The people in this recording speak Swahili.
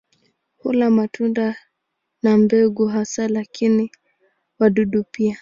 Hula matunda na mbegu hasa lakini wadudu pia.